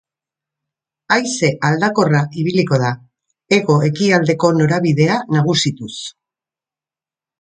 Haize aldakorra ibiliko da, hego-ekialdeko norabidea nagusituz.